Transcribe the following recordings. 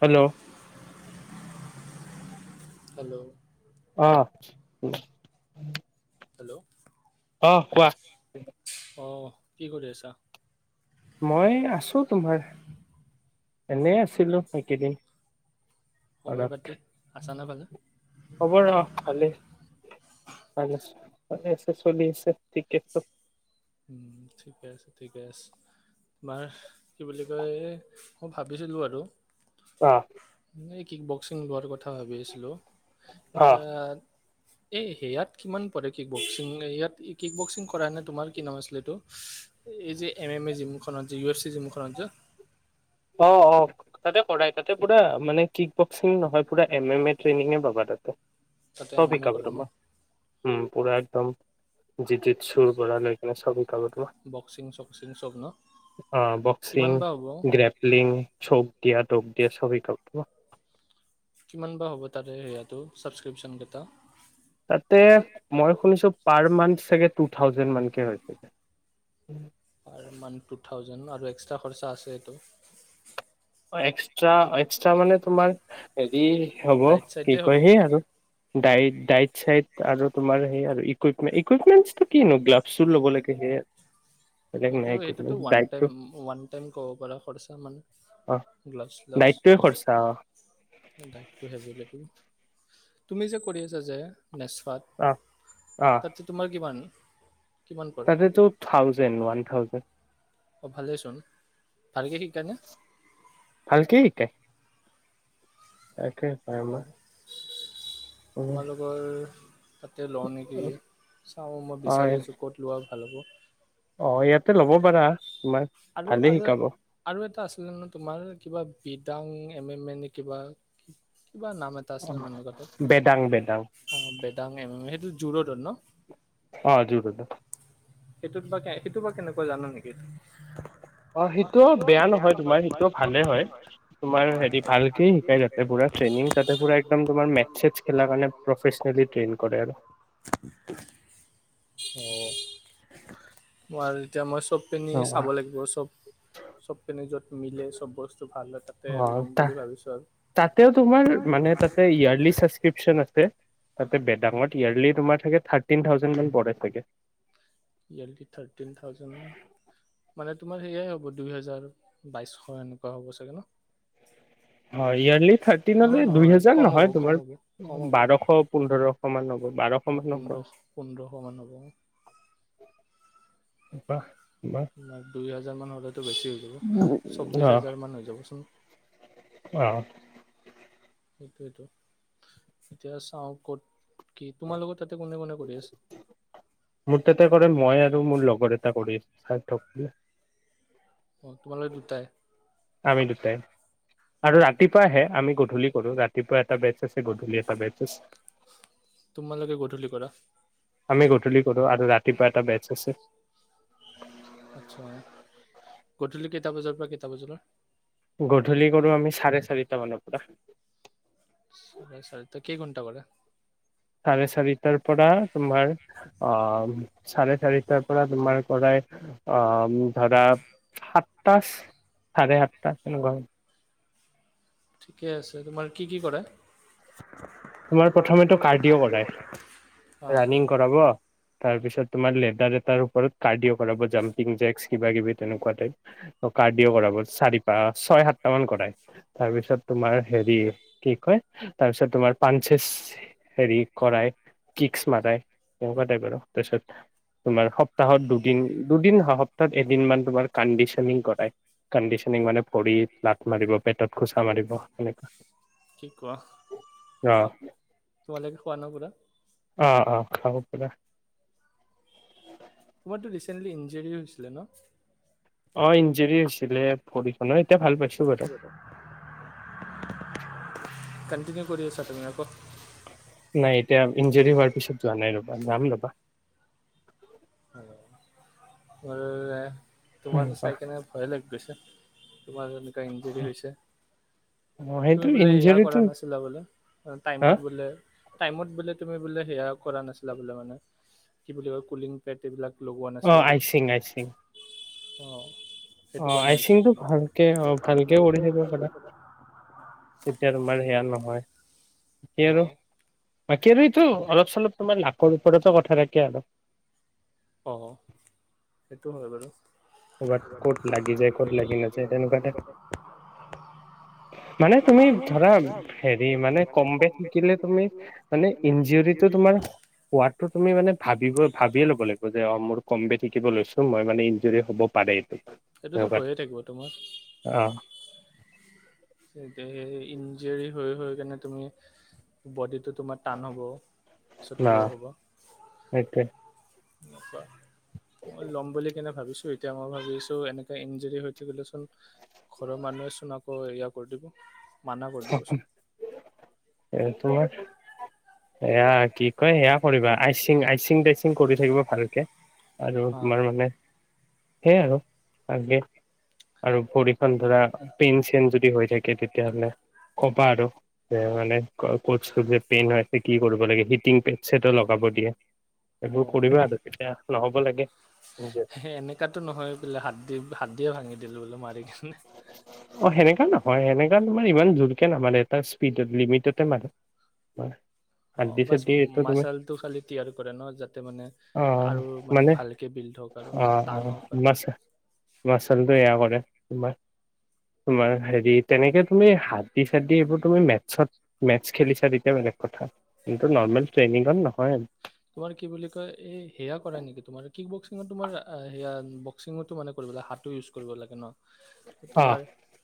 Hello. Hello. অহ। Hello. অ কোৱা। অ কি কৰি আছা। মই আছো তোমাৰ এনে আছিলো সেইকেইদিন। খবৰ পাতি আছা নে ভালে হব ৰ ভালেই ভাল। চাল আছে চলি আছে ঠিক আছে। ঠিকে আছে ঠিকে আছে তোমাৰ কি বুলি কয় এই মই ভাবিছিলোঁ আৰু। অ। ন কি বকসিং লোৱাৰ কথা। কথা ভাবি আছিলো অ তাত এ, সেয়াত কিমান পৰে, কিক বক্সিং ইয়াত, কিক বক্সিং কৰা নে তোমাৰ কি নাম আছিলে। এই যে, এম এম এ জিমখনত যে, ইউ এছ চি জিমখনত যে। অ' অ' তাতে কৰাই, তাতে পুৰা মানে কিক বক্সিং নহয়, পোৰা এম এম এ ট্ৰেইনিঙে পাবা তাতে। তাতে চব এম এম এ শিকাব কৰে ন তোমাক। উম! পুৰা একদম জি জিত চুৰ বৰা লৈ কিনে চব [unintelligible] বক্সিং চক্সিং চব ন'? কিমান বা হ'ব! উম, চখ [unintelligible] দিয়া দক দিয়া চব শিকাব। [unintelligible] কিমান বা হ'ব, তাৰে সেয়াটো চাবস্ক্ৰিপচন কেইটা? তাতে মই শুনিছোঁ, পাৰ মান্ঠ চাগে, টু থাউজেণ্ড মানকে হৈ চাগে। পাৰ মান্থ টু থাউজেণ্ড ন' আৰু এক্সট্ৰা খৰচা আছে এইটো। এক্সত্ৰা, এক্সত্ৰা মানে তোমাৰ [unintelligible] হ'ব ডাইট কি চাইটে হ'ব কয়, হেয়ে আৰু ডায়েট ডায়েট চায়েট আৰু তোমাৰ সেই আৰু ইকুইপমেণ্ট, ইকুইপমেন্টটো কিনো, গ্লভছো ল'ব লাগে সেয়ে আৰু। সেইটো সেইটোতো ওৱান টাইম, ওৱান টাইম ক'ব পাৰা খৰচা মানে অ গ্লাভছ ডাইটটোৱে খৰচা অ [unintelligible] দায়েটো হে লাগিব। তুমি যে, কৰি আছা যে নেচফাত অ অ তাত তোমাৰ কিমান? কিমান পৰে তাতেতো, থাউজেণ্ড, ওৱান থাউজেণ্ড। [unintelligible] অ' ভালেই চোন! ভালে শিকাই নে? ভালকে শিকাই অঁ [unintelligible] উম তোমালোকৰ তাতে লওঁ নেকি, চাওঁ মই হয় বিচাৰি আছোঁ। ক'ত লোৱা? ভাল হ'ব। অ' ইয়াতে ল'ব পাৰা! তোমাক ভালেই শিকাব! আছিল ন' তোমাৰ, কিবা বিদাং এম এম এ নে কিবা কিবা নাম এটা আছিলে, [unintelligible] বেদাং বেদাং অ' বেদাং এম এম এ সেইটো জু ৰ'ডত ন'। অ'! জু ৰ'ডত। সেইটো কিবাকে, সেইটো বা কেনেকুৱা জানা অ সেইটোও বেয়া নেকি? নহয় তোমাৰ সেইটোও ভালে হয় [unintelligible] তোমাৰ হেৰি ভালকে সেই শিকাই তাতে পুৰা ট্ৰেইনিং তাতে বেয়া পুৰা একদম তোমাৰ মেথ চেথ খেলাৰ নহয়, কাৰণে প্ৰফেচনেলি ট্ৰেইন তোমাৰ কৰে আৰু। ভালে [unintelligible] ম আৰু এতিয়া মই [unintelligible] চব পিনে অ চাব লাগিব। চব চব পিনে য'ত ত'ত মিলে চব বস্তু ভাল হয় তাতে অ ল'ম বুলি ভাবিছো আৰু। তাতেও তোমাৰ মানে তাতে ইয়াৰলি সাস্কৃপচন আছে তাতে বেদাঙত ইয়াৰ্লি তোমাৰ থাকে থাৰ্টিন থাউজেণ্ড মান পাই থাগে ইয়াৰলি থাৰ্টিন থাউজেণ্ড মানে তোমাৰ সেয়াই হ'ব দুই হেজাৰ বাইশ এনেকুৱা হ'ব চাগে ন হয় ইয়াৰলি নহয় থাৰ্টিনলৈ দুই নহয় হেজাৰ কম হ'ব নহয় কম তোমাৰ হ'ব কম হ'ব বাৰশ পোন্ধৰশ মান হ'ব অ বাৰশ মান হব পোন্ধৰশ পোন্ধৰশ মান হ'ব কপ ন দুই হাজাৰ [unintelligible] চৌবিশ অ হাজাৰ মন হৈ যাব চাগে উ সেইটোইটো এতিয়া চাওঁ কত কি তোমাৰ লগত তাতে কোনে কোনে কৰি আছে মোৰ তাতে কৰে মই আৰু মোৰ লগৰ এটা কৰি আছো চাই থক অ তোমাল দুতায় আমি দোতাই আৰু ৰাতিপুৱাইহে আমি গধূলি কৰো ৰাতি ৰাতিপুৱা এটা বেচ আছে গধূলি এটা বেচ আছে তোমালোকে গধূলি কৰা আমি গধূলি কৰোঁ আৰু ৰাতিপুৱা এটা বেচ আছে উম আচছা গধূলি কেইটা বজাৰ পৰা কেইটা বজালৈ গধূলি কৰো আমি চাৰে চাৰিটা মানৰ পৰা চ চ ত কি কটা কৰে চাৰে চাৰিটাৰ পৰা তোমাৰ আহ চাৰে চাৰিটাৰ পৰা তোমাৰ কৰাই আহ ধৰা সাতটা চাৰে সাতটা তেনেকুৱা ঠিকে আছে তোমাৰ কি কি কৰে তোমাৰ প্ৰথমেতো কাৰ্ডিঅ' কৰাই অ ৰানিং কৰাব তাৰপিছত তোমাৰ লেডাৰ এটাৰ ওপৰত কাৰ্ডিঅ' কৰাব জাম্পিং জেক্ কিবা কিবি তেনেকুৱা টাইপ কাৰ্ডিঅ কৰাব চাৰি প ছয় সাতটা মান কৰাই তাৰপিছত তোমাৰ হেৰি কি কয় তাৰপিছত তোমাৰ পাানঞ্চেছ হেৰি কৰাই কিিকচ মাৰায় এনেকুৱা টাইপ আৰু তাৰপিছত তোমাৰ সপ্তাহত দুদিন দুদিন সপ্তাহত এদিনমান তোমাৰ কণ্ডিশনিং কৰাই কণ্ডিচনিং মানে ভৰিত লাট মাৰিব পেটত খোচা মাৰিব সেনেকুৱা শিক কোৱা অ তোমালৈকে খোৱা না পুৰা আহ অ খাব পা তোমাৰতো ৰিচেণ্টলি ইঞ্জৰী হৈছিলে ন অ ইঞ্জৰি হৈছিলে ভৰিখনত ভাল পাইছো বাৰু কিহত কণ্টিনিউ কৰি আছা তুমি আকৌ নাই এতিয়া ইঞ্জৰি হোৱাৰ পিছত যোৱা নাই ৰবা যাম লাবা ব তোমাকো ৰ'বা চাই কিনে ভয়ে লাগি গৈছে তোমাৰ এনেকুৱা ইঞ্জৰি হৈছে অ তুমি সেইটো বোলে সেয়া ইঞ্জুৰিটো কৰা নাছিলা বোলে হা টাইমত বোলে [unintelligible] টাইমত বোলে তুমি বো সেয়া কৰা নাছিলা বোলে মানে কি বুলি ক পেট এইবিলাক লগোৱা অ নাছিলা বোলে আহইচিং আয়চিং [unintelligible] অ অ সেইটো কাৰণে আইচিং হৈছে টো ভালকে অ ভালকে কৰি থাকিব পাদা তেতিয়া তোমাৰ সেয়া নহয় [unintelligible] বাকী আৰু ন বাকী আৰু এইটো অলপ চলপ তোমাৰ লখৰ ওপৰতো কথা থখে আৰু [unintelligible] অ সেইটো হয় বাৰু বাত কত লাগি যায় কত লাগি নাযায় তেনেকুৱাটা মানে তুমি ধৰা হেৰি মানে কম ব শিকিলে তুমি মানে ইঞ্জৰিটো তোমাৰ হোৱাো তুমি মান ভাব [unintelligible] ভাবিয়ে ল'ব লাগিব যে অ মোৰ কম বে থাকিব লৈছো মই মান ইঞ্জুৰি হ'ব [unintelligible] পদয়টো [unintelligible] এইটোতো হৈয়ে থাকিব তোমাৰ অ তেতিয়া সেই ইঞ্জৰি হৈ হৈ সেইকাৰণে তুমি বডিত [unintelligible] তোমাৰ টান হ'বছত না প্ৰ হ'ব সেইটোৱে নেকুৱা মই ল'ম বুলি কেনে ভাবিছো এতিয়া মই ভাবিছো এনেকাে ইঞ্জৰি হৈ থাকিলেচোন ঘৰৰ মানুহে চোন আকৌ ইয়াক [unintelligible] কৰি দিব মানা কৰি দিবচোন এইটো এয়া কি কঐ সেয়া কৰিবা আইচিং আইচিং [unintelligible] কৰি থাকিব ভালকে আৰু হা তোমাৰ মানে সেইয় আৰু আগে আৰু ভৰিখন ধৰা পেইন চেইন যদি হৈ থাকে তেতিয়াাহলে [unintelligible] কবা আৰু মানে ক'চ যে পেইন হয় কি কৰিব লাগে হিটিং পেন চছেটো লগাব দিয়ে [unintelligible] অ এইবোৰ কৰিবা আৰু তেতিয়া নহ'ব লাগে নিজে। এনেককাতো নহয় বোলে হাত দি হাত দিয়ে ভাঙি দিলো বোলে মাৰি কিনে [unintelligible] হয় সেনেকা তোমাৰ [unintelligible] ইমান জোৰকে নামানে এটা স্পীডত লিমিটতে মান [unintelligible] অ বাছ মাচালটো খালি তিয়াৰ কৰে ন যাতে মানে অ আৰু মানে ভালকে বিল্ড হওঁক আৰু অ মানে অ টান হওঁক আৰু মাছ মাচলটো এয়া কৰে [unintelligible] তোমাৰ তোমাৰ হেৰিত [unintelligible] তেনেকে হাত চাদ দি এইবোৰ তুমি মেথছত মেছ খেলিছা তেতিয়া বেলেগ কথা কিন্তু নৰ্মেল ট্ৰেইনিঙত নহয় [unintelligible] তোমাৰ কি বুলি কয় এই সেয়া কৰা নেকি তোমাৰ কি বক তোমাৰ সেয়া বক্সিঙতো মানে কৰিব লাগে হাতটো ইউজ কৰিব লাগে ন। তোমাৰ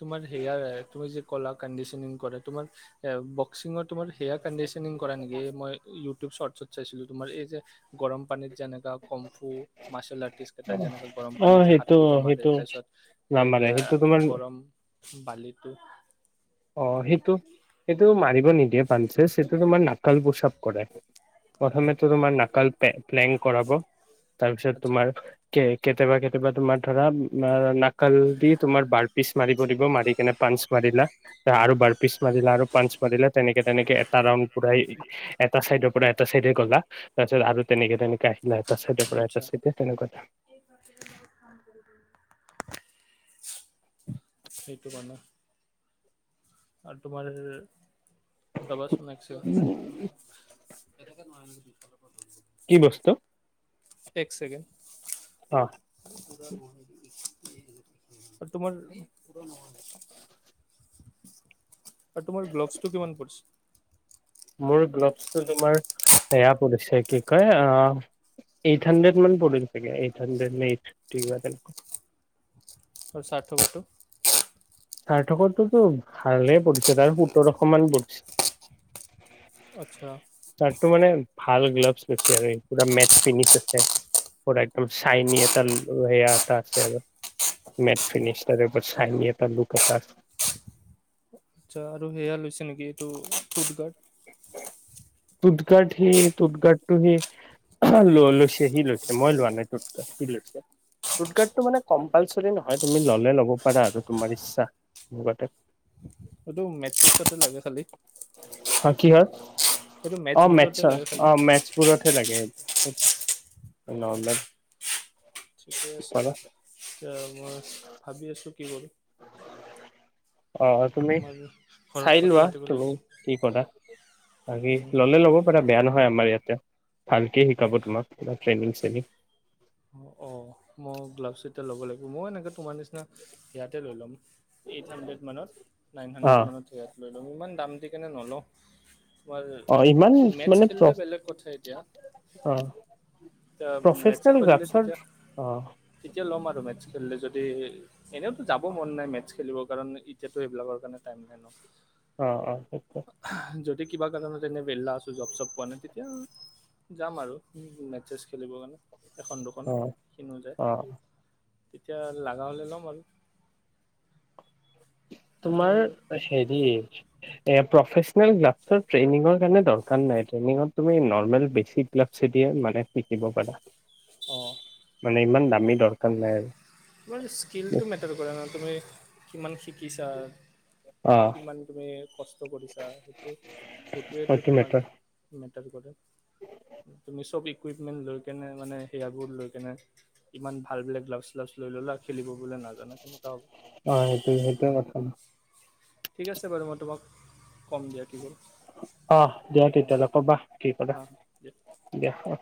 তোমাৰ সেয়াৰ তুমি যে কলা কন্দেশেনিং কৰে তোমাৰ এ বক্সিং ত তোমাৰ হেয়াৰ কণ্ডিচনিং কৰা নেকি মই ই টো চৰ্ত চৰ্ত চাইছিলো তোমাৰ এই যে গৰম পানীৰ যেনেকা কমফু মাৰ্চেল আট যেনেকে গৰম অ পানীত যে সেইটো হাতটো জমাৰে সেইটো দ তাৰপিছত নামাৰে সেয়া সেইটো তোমাৰ গৰম বালিটো অ সেইটো সেইটো মাৰিব নিদিয়ে বানঞ্চে সেইটো। তোমাৰ নাকাল পোচাপ কৰে প্ৰথমে তোমাৰ নাকাল পে প্লেন কৰাব তাৰপিছত আচ্ছা তোমাৰ কেক কেতিয়াবা কেতিয়াবা তোমাৰ ধৰা নাকাল দি তোমাৰ বাৰ পিচ মাৰিব দিব মাৰি কেনে পাঞ্চ মাৰিলা। আৰু বাৰ পিছ মাৰিলা আৰু পাঞ্চ মাৰিলা তেনেকে তেনেকে এটা ৰাউনড পুৰা এটা চাইডৰ পৰা এটা চাইডে গলা তাৰ পিছত আৰু তেনেকে তেনেকে আহিলা এটা চাইডৰ পৰা এটা আচ্ছা চাইডে তেনেকুৱা এটা। সেইটো কাৰণে আৰু তোমাৰ। ৰবা চুন এক ছেকেণ্ড। তেনেকে [unintelligible] কি বস্তু এক চেকেণ্ড অ তোমাৰ [unintelligible] আৰু তোমাৰ গ্ললছ টো কিমান পৰিছে? মোৰ গ্লভছটো তোমাৰ সেয়া পৰিছে কি কয় এইট হাণ্ড্ৰেড মান পৰিল চাগে এইট হাণ্ড্ৰেড নে এইট ফিট তেনেকুৱ আৰু ষাঠ বটু সাৰ্থকোতো ভালে পৰিছে তাৰ সোতৰশমান পৰিছে। আচ্ছা। চাৰ্টটো মানে ভাল গ্লভছ লৈছে আৰু পু মেট ফিনিচ আছে পুৰা একদম চাইন এটা সেয়া এটা আছে আৰু মেট ফিনিচ ত চাই এটা লুক। কটাশ আচ্ছা আৰু সেয়া লৈছে নেকি এইটো ফুড গাৰ্ড। ফুট গাৰ্ড সি টুথগাৰ্ডটো সি ল লৈছে সি লৈছে মই লোৱা নাই টু্ সি লৈছে টুথগাৰ্ডটো মানে কম্পালচৰি নহয় তুমি ললে লব পাৰা আৰু তোমাৰ ইচ্ছা লগতে। সেইটো মেট্ৰিকতে লাগে খালি। হা কি হাল? এইটো অ মেটছবোৰতে মেথছৰ লাগে খালি অ মেথছবোৰতহে লাগে। অ অঁ নৰ্মেল ঠিকে আছে কৰা এ মই ভাবি আছো [unintelligible] অ তুমি চাই কথা লোৱা পাতিব তুমি লাগিব কি কৰা বাকী উম, ললে ল'ব পাৰা বেয়া নহয় আমাৰ ইয়াতে। ভালকে শিকাব তোমাক কিবা ট্ৰেইনিং চ্ৰেনিং অঁ অঁ মই গ্লাভছ ল'ব লাগিব মই এনেকৈ তোমাৰ নিচিনা ইয়াতে লৈ ল'ম। এইট হাড্ৰেড মানত নাইন অ হাড্ৰেড মানত স হলৈও ইমান দাম দি কেনে নলওঁ। তোমাৰ অ ইমান মেটছ মানে প্ৰ খেললে বেলেগ কথা এতিয়া অ এ মেটছ প্ৰফেচনেল খেললে গ্ৰাফছৰ অ তিতিয়া লম আৰু [unintelligible] আৰু মেথছ খেলিলে যদি এনেওতো যাব মন নাই মেথছ খেলিব কাৰণ এতিয়াতো এইেইবিলাকৰ কাৰণে টাইম নাই ন। অ' অ' সেইটোৱে। যদি কিবা কাৰণত এনে বেললা আছোঁ জব চব পোৱা নাই তেতিয়া যাম আৰু মেতছে খেলিব কাৰণে। দুখন অ, কিনো যায়। অ। তেতিয়া লগাহলে ল'ম আৰু। ইমান তোমাৰ হেৰি এ প্ৰফেচনেল গ্লাভছৰ ট্ৰেনিংতৰ কাৰনে দৰকাৰ নাই, ট্ৰেনিংত তুমি নৰমেল বেসিক গ্লাভছ দি মানে শিকিব পাৰা। অ। মানে ইমান দামী দৰকাৰ নাই আৰু। তোমাৰ স্কিলটো মেটাৰ কৰা ন তুমি কিমান শ শিকিছা অ কিমান তুমি খচ কষ্ট কৰিছা সেইটো সেইটোৱেতো সেইটো তোমাৰ মেটাৰ [unintelligible] তুমি চবি ইকুইপমেণ্ট লৈ কেনে মানে সেয়াবোৰ লৈ কেনে কিমান ভাল বিলাক গ্ল'ভছ গ্ল'ভছ লই ললাক খেলিব বুলি নাজানে কেনেকা হ'ব অ, সেইটোৱ সেইটোৱে কথা ন ঠিক আছে বাৰু মই তোমাক ক'ম দিয়া কি হ'ল। অ, দিয়া অঁ তেতিয়াহলে কবা কি কৰা অঁ দিয়া দিয়া অ।